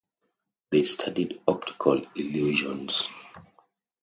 They studied optical illusions.